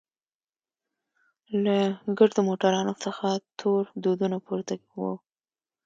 له ګردو موټرانو څخه تور دودونه پورته وو.